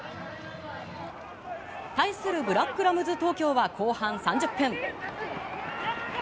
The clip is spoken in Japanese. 対するブラックラムズ東京は、後半３０分。